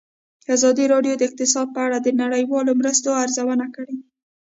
ازادي راډیو د اقتصاد په اړه د نړیوالو مرستو ارزونه کړې.